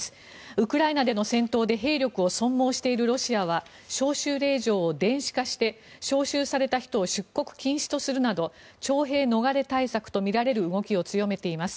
ウクライナでの戦闘で兵力を損耗しているロシアは招集令状を電子化して招集された人を出国禁止とするなど徴兵逃れ対策とみられる動きを強めています。